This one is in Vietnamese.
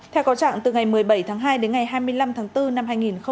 theo có trạng từ ngày một mươi bảy tháng hai đến ngày hai mươi năm tháng bốn năm hai nghìn hai mươi